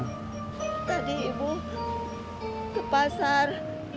tadi ibu ke pasar